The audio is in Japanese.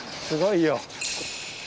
すごいよ。